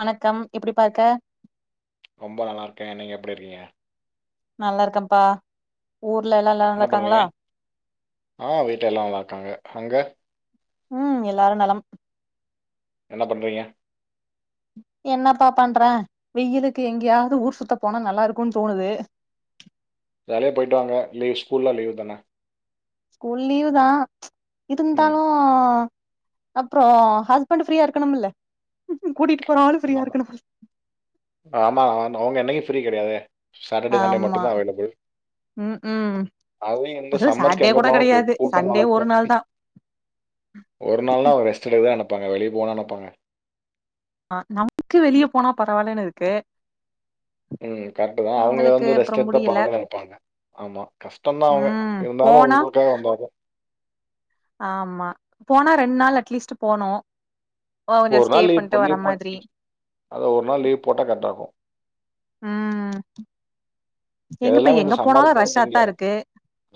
வணக்கம் எப்டிப்பாருக்க ரொம்ப நல்லாருக்கே நீங்க எப்டிருக்கீங்க நல்லாருக்கப்பா என்ன பண்ணுவீங்க ஆ வீட்டு எல்லா நல்லாருக்காங்க அங்க ம் எல்லாரு நலம் என்ன பண்றீங்க என்னப்பா பண்றே வெயிலுக்கு எங்யாது ஊர் சுத்த போனா நல்லாருக்குன் தோணுது [inaudible] ஜாலியா போயிட்டு வாங்க லீவ் ஸ்கூல்லா லீவ் தான ஸ்கூல் லீவ் தா ம். இருந்தாலு அப்றோ ஹஸ்பண்டு ஃப்ரீயா இருக்குணும்ல கூட்டிட்டு போற ஆளு ஃப்ரீயா ஆமா இருக்கணும்ல ஆ ஆமா [unintelligible] அன்னைக்கு ஃப்ரீ கெடையாதே சாட்டர்டே சண்டே ஆமா மட்டுதா அவைலபுள் ம் ம் அது இந்த அதுவு சம்மருக்கு சாட்டர்டே எங்க கூட போனாலு கூ கெடையாது சண்டே கூட்டமாருக் ஒரு நாள் தா ஒரு நாள்னா அவங்க ரெஸ்ட் எடுக்கதா நெனைப்பாங்க வெளிய போன்னா நெனைப்பாங்க ஆ நமக் வெளிய போனா பரவாலனு இருக்கு ம் கரெக்ட் தா அவங்க அவங்களுக்கு வந்து அப்றோ ரெஸ்ட் எடுத்தா முடியல பரவால நெனைப்பாங்க ஆமா கஷ்டோ தா அவங்க ம் இருந்தா போனா [unintelligible] வந்தா ங்க ஆமா போனா ரெண்டு நாள் அட்லீஸ்ட் போனு கொஞ்சோ ஒரு ஸ்டே நாள் லீவ் போ பண்ட்டு நீ வர மாதிரி [unintelligible] அதா ஒரு நாள் லீவ் போட்டா கரெட்டாக்கு ஆ எல்லாமே இந்த சம்மருக்கு [unintelligible] இங்க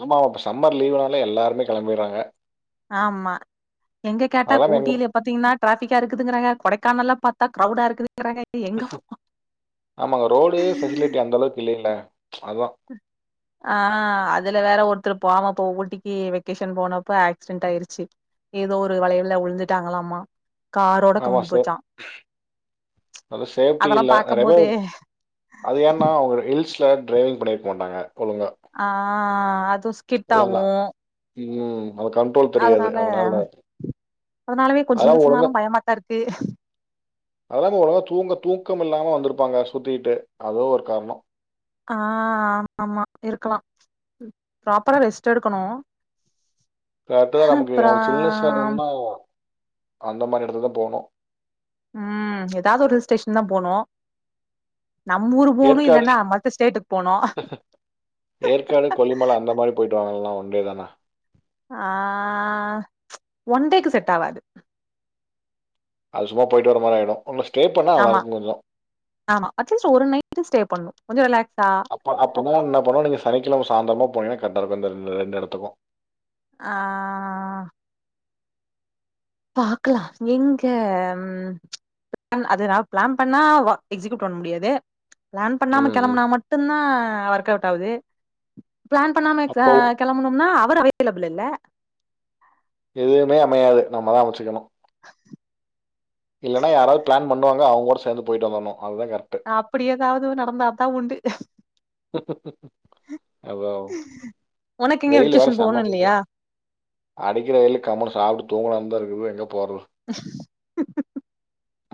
ஆமா ஆமா இப்ப சம்மர் லீவ்னால எல்லாருமே கெளம்பிர்றாங்க ஆமா எங்க கேட்டா அதெல்லாம் எங்க ஊட்டில பாத்தீங்னா டிராஃபிக்கா இருக்குதுங்றாங்க கொடைக் கானல்ல பாத்தா கிரௌடா இருக்குதுங்றாங்க எங்க போ ஆமாங்க. ரோடு ஃபெசிலிட்டி அந்த அளவுக்கு இல்லைல்ல. அதான். ஆ அதுல வேற ஒருத்தர் பாவம் இப்போ ஊட்டிக்கு வெக்கேஷன் போனப்ப ஆக்சிடென்ட் ஆயிருச்சு ஏதோ ஒரு வளைவுல உழுந்துட்டாங்களாமா காரோட ஆமா. கவுந்து சே போச்சா அது சேஃப்டி அதெல்லா இல்ல நெறைய பாக்கும்போது பேர் அது ஏன்னா ஒரு ஹில்ஸ் ல டிரைவிங் பண்ணிருக்க மாட்டாங்க ஒழுங்கா ஆ அதுவு இல்லல்ல. ஸ்கிட்டாவு ம் அத கண்ட்ரோல் தெரியாது அதனால அதனாலவே கொஞ்ச ஹில்ஸ்ன்னாலு பயமாத்தா இருக்கு அதெல்லாம ஒழுங்கா தூங்க தூக்கம் இல்லாம வந்துருப்பாங்க சுத்திக்கிட்டு அதுவ் ஒரு கார்ணோ ஆ ஆமா ஆமா இருக்கலா ப்ராப்பரா ரெஸ்ட் எடுக்கணு கர்ட்டு தா நமக்கு அப்றோ நமக் சில்னஸ் வேணும்னா அந்த மாரி எடதுக்குத்தா போனு ம் ஏதாவது ஒரு ஹில் ஸ்டேஷன் தா போனு நம் ஊர் போணு ஏற்காடு இல்லன்னா மத்த ஸ்டேட்டுக்கு போனு ஏற்காடு கொல்லிமல அந்த மாரி போயிட்டு வாங்க இல்லேன்னா ஒன்டே தான ஆ ஒன் டேக்கு செட் ஆவாது அது சும்மா போயிட்டு வர மாரி ஆய்டு ஆமா ஆமா அட்லீஸ்ட் ஒரு நைட் ஸ்டே பண்ணு கொஞ்ச ரிலாக்ஸ் அப்ப அப்பனா என்ன பண்ணுனோ நீங்க சனிக்கிழம சாந்திரமா போனீங்கன்னா கரெட்டா இருக்கு இந்த ரெண்டு எடத்துக்கு ஆ பாக்லா எங்க பிள அது பிளான் பண்ணா எக்ஸிகியூட் பண்ண முடியாதே ப்ளான் பண்ணாம ம் ம் கெளம்புனா மட்டு தா ஒர்க் அவுட் ஆவுது பிளான் பண்ணாம ஆ அப்போ கெளம்பனும்னா அவர் அவைலபிள் இல்ல எதுவுமே அமையாது நம்மதா அமச்சுக்கணு இல்லன்னா யாராவது பிளான் பண்ணுவாங்க அவங்க கூட சேந்து போயிட்டு வந்தணு அப்படி ஏதாவது நடந்தாதா உண்டு அவாவ் உனக்கு எங்க வெயில் வேற வெக்கேஷன் செம்ம போணு வெயிலு இல்லையா அடிக்கிற வெயிலுக் கம்முனு சாப்ட்டு தூங்கணா தா இருக்கு எங்க போறது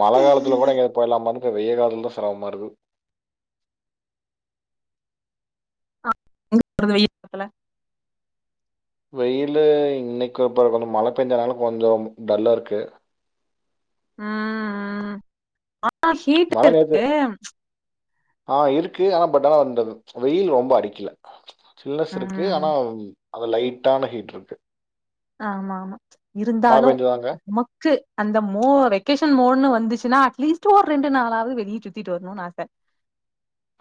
மழ காலத்துல கூட எங்கயா போயலாமந் வெய காலத் தா செரமமாறுக்கு ஆ எங்க போறது வெய ல வெயிலு இன்னைக்கு [unintelligible] கொஞ்ச மழ பெஞ்சனாலு கொஞ்ச டல்லா இருக்கு ம் ம் ஆ ஹீட்டா மழை நேத்து இருக்கு ஆ இருக்கு ஆனா பட் ஆனா அந்த வெயில் ரொம்ப அடிக்கல சில்னஸ் இருக்கு ம் ஆனா அது லைட்டான ஹீட் இருக்கு ஆமா ஆமா மழை இருந்தாலு பெஞ்சதாங்க நமக்கு அந்த மோ வெக்கேஷன் மோட்ன்னு வந் துச்சுன்னா அட்லீஸ்ட் ஒ ரெண்டு நாளாவது வெளியே சுத்திட்டு வரணும்னு ஆச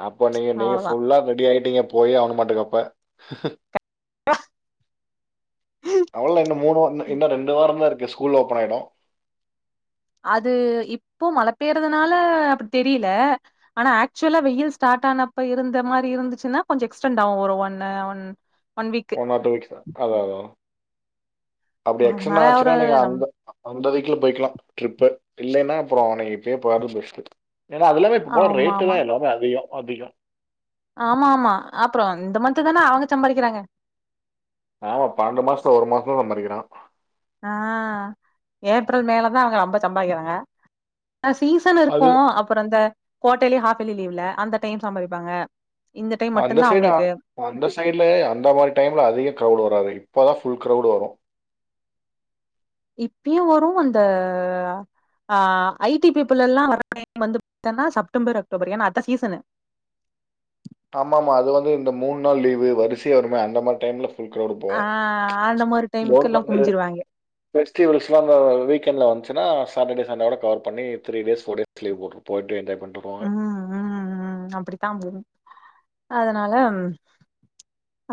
அப்ப நீங்க நீங்க அவ்ளோதா ஃபுல்லா ரெடி ஆயிட்டீங்க போய் ஆவனு மாட்டக்கு அப்ப அவ்ளோ இன்னு மூணு வ இன்னு ரெண்டு வாரோ தா இருக்கு இங்க ஸ்கூல் ஓபன் ஆயிடு அது இப்போ மழ பெயறதுனால அப்டி தெரியல ஆனா ஆக்சுவலா வெயில் ஸ்டார்ட் ட்டானப்ப இருந்த மாரி இருந்துச்சுன்னா கொஞ்சோ எக்ஸ்டென்ட் ஆவு ஒரு ஒன்னு one week one or two வீக்ஸ்ஸா அதா அதா அப்டி எக்ஸ்டன் அதனால ஒரு ஆச்சுன்னா நீங்க நம் அந்த அந்த வீக்குல போய்க்கலா ட்ரிப்பு இல்லேன்னா அப்புறோ நீங்க இப்போயே போறது பெஸ்ட்டு ஏன்னா அது எல்லாமே இப்ப போற ஆமா ரேட்டு் ஆமா தா எல்லாமே அதிக அதிக ஆமா ஆமா அப்றோ இந்த மந்த் தானே அவங்க சம்பாசிரிக்கிறாங்க ஆமா பன்னெண்டு மாசத்துல ஒரு மாசோ தா சம்பாதிக்கிறா ஆ ஏப்ரல் மே ல தா அவங்க ரொம்ப சம்பாக்கிறாங்க அ சீசன் அது இருக்கு அப்புறோ இந்த குவாட்டலி ஹாஃப்லி லீவ்ல அந்த டைம் சம்பாதிப்பாங்க அந்த சைடு அந்த சைட்லே அந்த மாரி டைம்ல அதிகோ கிரவ்ட் வராது இப்பதா ஃபுல் கிரெவ்டு வரு இப்பியு வரு அந்த ஆ ஐ டி பீபிள் எல்லா வர டைம் வந்து பாத்தன்னா செப்டம்பர் அக்டோபர் ஏன்னா அத சீசனு ஆமா ஆமா அது வந்து இந்த மூணு நாள் லீவு வரிசையா வருமே அந்த மாரி டைம்ல குழுக்களா இருப்போ ஆ அந்த மாரி டைமுக்கு போர் எல்லாம் பன்னு குமிஞ்சிருவாங்க பெஸ்டிவல்ஸ் எல்லா இந்த வீக்கண்ட்ல வந்து ஏன்னா சாட்டர்டே சண்டே வோட கவர் பண்ணி three days four days leave போடணு போயிட்டே என்ஜாய் பண்ணு ஆ அ ஆ அப்படித்தா போது அதனால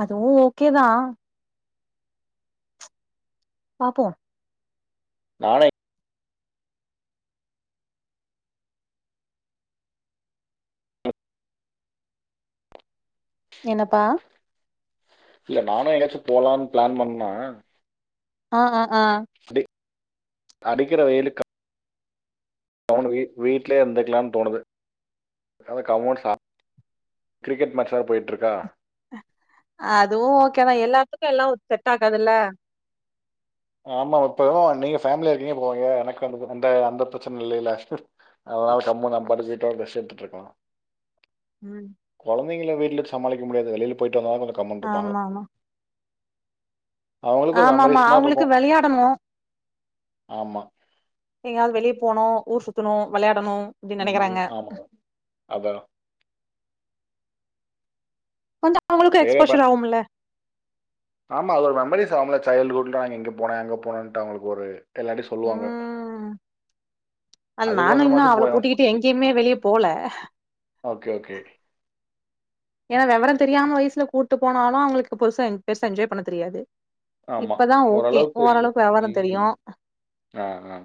அதுவு ஓகே தா பாப்போ நானே என்னப்பா இல்ல நானே ஏங்காச்சு போலான்னு பிளான் பண்ண ஆ ஆ அடிக்கிற வெயிலுக்கு அவங்க வீ வீட்லயே இருந்துகலாம்னு தோணுது அதா கம்முனு சா கிரிக்கெட் மேட்ச்யாது போயிட்டு இருக்கா அதுவு ஓகேதா எல்லாத்துக்கு எல்லா செட் ஆகாதுல்ல ஆமா மா இப்போ நீங்க ஃபேமிலியா இருக்கீங்க போவீங்க எனக்கு வந்து அந்த அந்த பிரச்சன இல்ல இல்லல அதனால கம்முனு நாபாட்டு வீட்டோட ரெஸ்ட் எடுத்துட்டு இருக்கலா உம் குந்தைங்கள வீட்ல வச்சி சமாளிக்க முடியாது வெளியில போயிட்டு வந்தாதா கொஞ்சோ கம்முனு இருப்பாங்க ஆமா அவங்களுக்கு ஆம ஆமா அவங்களுக்கு விளையாடணு ஆமா எங்கயாவது வெளியே போனு ஊர் சுத்தணு விளையாடணு இப்படி நெனைக்கிறாங்க ஆமாம் அதான் கொஞ்சோ அவங்களுக்கு சரி அப்ப எக்ஸ்போஷல் ஆகும்ல ஆமா அது ஒரு மெமரிஸ் ஆவுல சைல்டுகுட்ல நா இங்க போன அங்க போனன்ட்டு அவங்களுக்கு ஒரு எல்லார்டையு சொல்லுவாங்க ம் அது நானு இன்னு அதுக்கோசரமாச்சும் அவள கூட்டிக்கிட்டு போயிடும் எங்கேயுமே வெளிய போல ஓகே ஓகே ஏன்னா வெவரம் தெரியாம வயசுல கூட்டு போனாலு அவங்களுக்கு பெருசா என் பெருசா என்ஜாய் பண்ண தெரியாது இப்பதா ஓகே ஓரளவுக்கு வெவரம் தெரியு ம் ஆ ஆ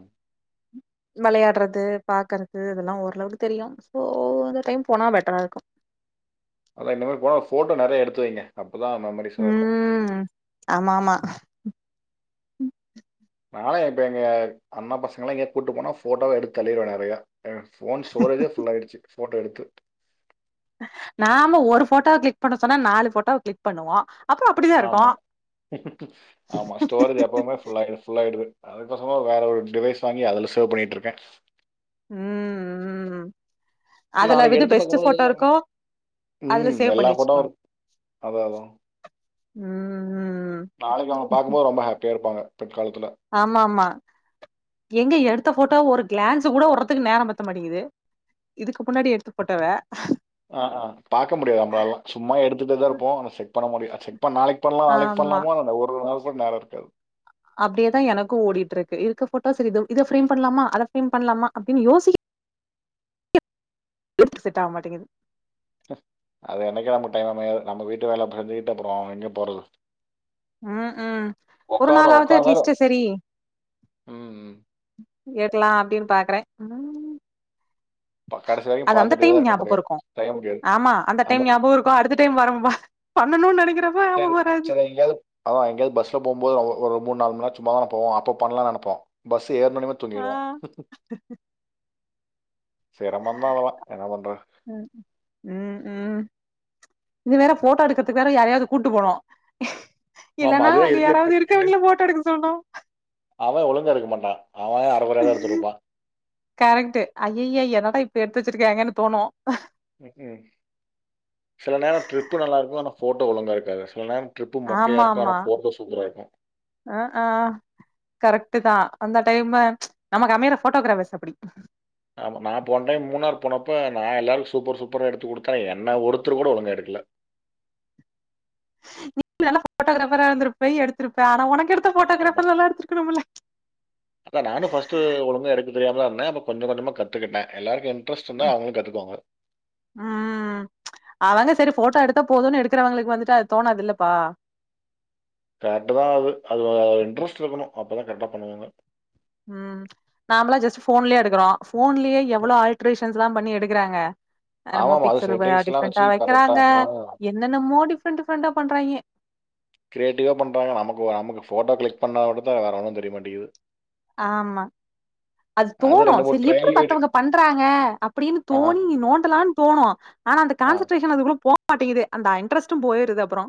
விளையாடுறது பாக்குறது இதெல்லா ஓரளவுக்கு தெரியு சோ இந்த டைம் போனா பெட்டரா இருக்கு அதா இனிமேல் போன போட்டோ நிறைய எடுத்து வைங்க அப்போதா மெமரிஸ்சா இருக்கு ம் ஆமா ஆமா நாளா இப்ப எங்க அண்ணா பசங்க எல்லா எங்கையா கூட்டு போனா போட்டாவா எடுத்து தள்ளிடுவே நிறைய போன் ஸ்டோரேஜே ஃபுல்லயிடுச்சு போட்டோ எடுத்து நாம ஒரு போட்டோ கிளிக் பண்ண சொன்னா நாலு போட்டோவ கிளிக் பண்ணுவோ அப்றோ அப்டிதா இருக்கு ஆமா ஆமா ஸ்டோரேஜ் எப்பவுமே ஃபுல் ஃபுல் ஆயிடுது அதுக்கு பேசாம வேற ஒரு டிவைஸ் வாங்கி அதுல சேவ் பண்ணிட்டு இருக்க உம் உம் அதுல இது பெஸ்ட் போட்டோ இருக்கோ உம் எல்லா போட்டோ இருக்கு அதா அதா உம் நாளைக் அவங்க பாக்கம்போது ரொம்ப ஹாப்பியா இருப்பாங்க பிற்காலத்துல ஆமா ஆமா எங்க எடுத்த போட்டோவ ஒரு கிளான்ஸ் கூட ஒருரதுக்கு நேரம் பத்த மாட்டங்குது இதுக்கு முன்னாடி எடுத்து போட்டவ ஆ ஆ பாக்க முடியாது நம்மளாலா சும்மா எடுத்துட்டுதா இருப்போ அத செக் பண்ண முடியா செக் இப்ப நாளைக்கு பண்ணலா நாளைக்கு ஆமா பண்ணலா அந்த ஒரு நாள் கூட நேரம் இருக்காது அப்டியேதா எனக்கு ஓடிட்ருக்கு இருக்க ஃபோட்டோ செரி இது இத ஃப்ரேம் பண்லாமா அத ஃப்ரேம் பண்ணலாமா அப்டின்னு யோசிக்க [inaudible] செட்டடாக மாட்டேங்குது அது என்னைக்கு நமக் டைம் அமையாது நம்ம வீட்டு வேல செஞ்சுட்டு அப்புறோ எங்க போறது ம்ஹு ஒரு உட்காரோம் நாளாவது உட்காந்தாலும் அட்லிஸ்ட்டு செரி ம் கேட்லா அப்டின்னு பாக்குறேன் ம் ப- கடைசி வரைக்கும் அது அந்த பார்த்துட்டே டைம் தான் இருக்க ஞாபக முடியும் இருக்கும் செய்ய முடியாது ஆமா அந்த டைம் ஞாபக இருக்கும் அடுத்த டைம் வரம்பா பண்ணணுன்னு நெனைக் டைம் சரி எங்கேயாது ஆமா எங்கயாது பஸ்ல போம்போது ஆ ஒரு மூணு நாலு மண்நேர சும்மா போவோ அப்ப பண்லான்னு நெனப்போ பஸ்ஸு ஏறுனோன்னைமே ஆ தூங்கிருவோ என்ன பண்ற ம் ம் ம் இது வேற ஃபோட்டோ எடுக்கறதுக்கு வேற யாரையாது கூட்டு போறோ ஆமா இல்லன்னா அதுதான் அங்க யாராவது இருக்கவங்கள ஃபோட்டோ எடுக்க சொல்ணு அவ ஒழுங்கா எடுக்க மாட்டா அவ அரைகொறையா தா எடுத்துருப்பா கரெக்ட்டு ஐய்யய்ய என்னடா இப்பி எடுத்து வச்சிருக்காங்கன்னு தோணு ம்ஹு சில நேர ட்ரிப்பு நல்லாருக்கும் ஆனா ஃபோட்டோ ஒழுங்கா இருக்காது சில நேர ஆமா ஆமா ஆ அ கரெக்ட்டுதா அந்த டைம்ம நமக்கு அமையற ஃபோட்டோகிராஃபர்ஸ் அப்டி ஆமா நா போன டைம் மூணார் போனப்ப நா எல்லாருக்கு சூப்பர் சூப்பரா எடுத்து குடுத்த என்ன ஒருத்தர் கூட ஒழுங்கா எடுக் இல்ல [inaudible] நீ நல்லா ஃபோட்டோகிராஃபரா இருந்துருப்ப எடுத்துருப்ப ஆனா ஒனக்கு எடுத்த ஃபோட்டோகிராஃபர் நல்லா எடுத்துருக்கணும்ல அதா நானு ஃபஸ்ட்டு ஒழுங்கா எடுக்க தெரியாமதா இருந்த அப்ப கொஞ்ச கொஞ்சமா கத்துக்கிட்ட எல்லாருக்கு ம் ம் அதுலேருந்து சரி ஃபோட்டோ எடுத்தா போதுன்னு எடுக்கிறவங்களுக்கு வந்துட்டு அது தோணாது இல்லப்பா கரெக்ட்டுதா அது அதுல இன்ட்ரெஸ்ட் இருக்கணு அப்பதா கரெக்டா பண்ணுவாங்க ம் நாமளா ஜஸ்ட்டு ஃபோன்லேயே எடுக்குறோ ஃபோன்லேயே எவ்ளோ ஆல்ட்ரேஷன்ஸ்லா பண்ணி எடுக்குறாங்க அது என்னமோ ஆமாமா. பிக்சருவ செட்டிங்ஸ்லாம் டிஃப்ரெண்டா வச்சு கரெக்ட்டா வக்கிறாங்க ஆ என்னென்னமோ டிஃப்ரெண்ட் டிஃப்ரெண்டா பண்றாய்ங்க கிரியேட்டிவா பண்றாங்க நமக்கு நமக்கு ஃபோட்டோ கிளிக் பண்ணா விடத்தா வேற ஒன்னு தெரியமாட்டேங்குது ஆமா அது தோணு சரி எப்டி ட்ரையல் வீடியோ மத்தவங்க பண்றாங்க அப்டின்னு ஆ. தோணி நோண்டலானு தோணு ஆனா அந்த ஆ. கான்ஷன்ட்ரேஷன் அதுக்குள்ள போ மாட்டேங்குது அந்த இன்டரெஸ்ட்டும் போயிருது அப்புற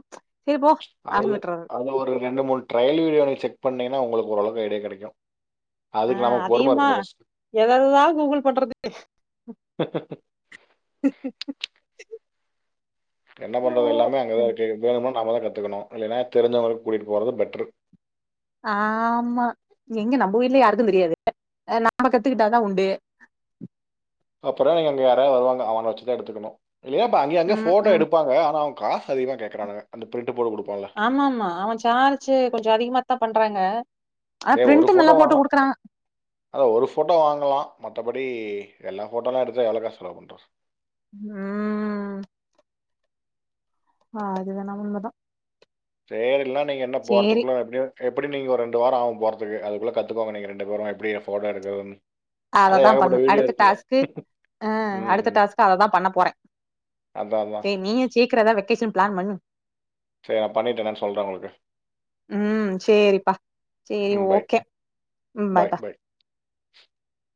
அது அது ஒரு ரெண்டு மூணு ட்ரையல் வீடியோ நீ செக் பண்ணீங்கன்னா உங்களுக்கு ஓரளவுக்கு ஐடியா கெடைக்கு ஆ அதையுமா எத எததா கூகுள் பண்றது ஹ் ஹ் ஹ் என்ன பண்றது எல்லாமே அங்கதா [unintelligible] நாமதா கத்துக்கணு இல்லேன்னா தெரிஞ்சவங்கள கூட்டிட்டு போறது பெட்ரு ஆமா எங்க நம்போ வீட்ல யாருக்கு தெரியாது ஆ நாம கத்துக்கிட்டாதா உண்டு அப்றோ நீங்க அங்க யாராது வருவாங்க அவங்கள வெச்சுதா எடுத்துக்கணு இல்லியப்பா அங்கங்கே ம் ஃபோட்டோ ம் எடுப்பாங்க ஆனா அவுங் காசு அதிகமா கேக்குறானுங்க அந்த ப்ரிண்ட் ஆமா ஆமா அவ சார்ஜு கொஞ்ச அதிகமாத்தா பண்றாங்க ஆனா சேரி ஒரு பிரிண்ட் ஃபோட்டோ நல்லா போட்டு வாங்கலா குடுக்குறாங்க அதா ஒரு ஃபோட்டோ வாங்கலா மத்தபடி எல்லா ஃபோட்டோலா எடுத்தா எவ்ளோ காஸ் செலவு பண்றது ம் ஆ அது வேணா உண்மதா சேரி இல்னா நீங்க என்ன சேரி போறத்துக்குள்ள எப்டியு எப்டியு நீங்க ஒரு ரெண்டு வாரோ ஆவு போறத்துக்கு அதுக்குள்ள கத்துக்கோங்க நீங்க ரெண்டு பேரு எப்டி ஃபோட்டோ எடுக்கறதுனு அததா பண்ணு அடுத்த டாஸ்க்கு ஆ ம். அடுத்த ம். டாஸ்க்கா அததா பண்ணப்போற அதான், அதான். சேர் நீயு சீக்ரோ எதா வெக்கேஷன் பிளான் பண்ணு சேரி நா பண்ணிட்டு என்னனு சொல்ற உங்ளுக்கு உம் சேரிப்பா சேரி ம். பை. ஓகே உம் பாய், பாய்ப்பா பாய். [inaudible]